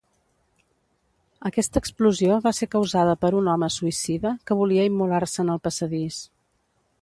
Aquesta explosió va ser causada per un home suïcida que volia immolar-se en el passadís.